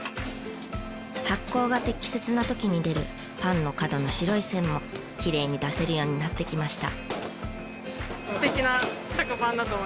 発酵が適切な時に出るパンの角の白い線もきれいに出せるようになってきました。